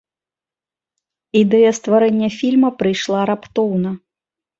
Ідэя стварэння фільма прыйшла раптоўна.